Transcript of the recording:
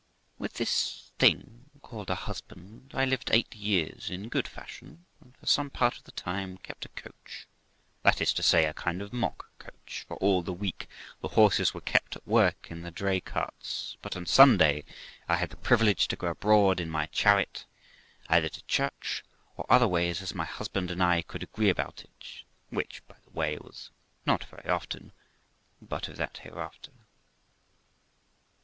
With this thing called a husband I lived eight years in good fashion, and for some part of the time kept a coach, that is to say, a kind of mock coach; for all the week the horses were kept at work in the dray carts ; but on Sunday I had the privilege to go abroad in my chariot, either to church or otherways, as my husband and I could agree about it, which, by the way, was not very often; but of that hereafter.